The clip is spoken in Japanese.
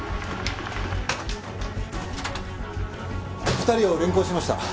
２人を連行しました。